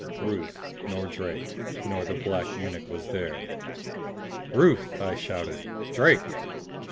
Ruth nor Drake nor the black eunuch was there! "Ruth!" I shouted. "Drake!"